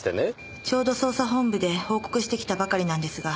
ちょうど捜査本部で報告してきたばかりなんですが。